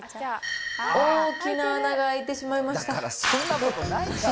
大きな穴が開いてしまいました。